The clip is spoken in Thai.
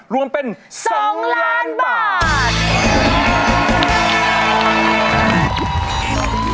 รวมเป็น๒ล้านบาท